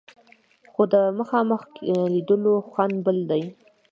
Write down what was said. خو د مخامخ لیدلو خوند بل دی.